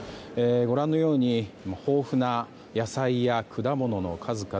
ご覧のように豊富な野菜や果物の数々。